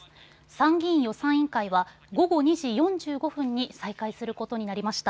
参議院予算委員会は午後２時４５分に再開することになりました。